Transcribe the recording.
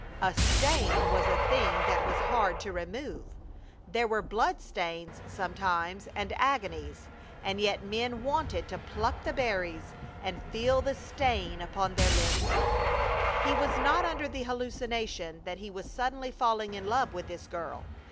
A stain was a thing that was hard to remove. There were blood stains sometimes and agonies; and yet men wanted to pluck the berries and feel the stain upon their lips! He was not under the hallucination that he was suddenly falling in love with this girl.